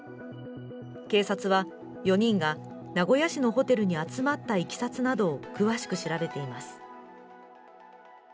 警察は４人が名古屋市のホテルに集まったいきさつなどを詳しく調べています。